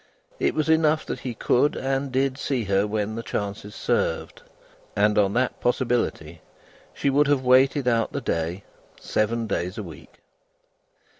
It was enough that he could and did see her when the chances served, and on that possibility she would have waited out the day, seven days a week.